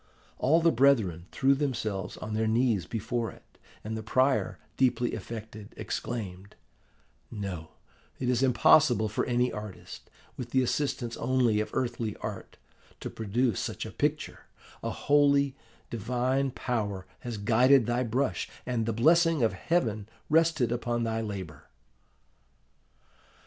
All the brethren threw themselves on their knees before it; and the prior, deeply affected, exclaimed, 'No, it is impossible for any artist, with the assistance only of earthly art, to produce such a picture: a holy, divine power has guided thy brush, and the blessing of Heaven rested upon thy labour!